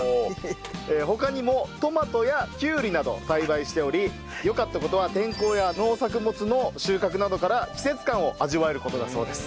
他にもトマトやきゅうりなどを栽培しておりよかった事は天候や農作物の収穫などから季節感を味わえる事だそうです。